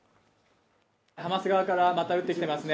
ハマス側からまた撃ってきてますね